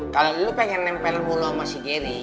kalau lu pengen nempel mulu sama si geri